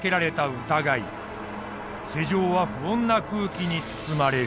世情は不穏な空気に包まれる。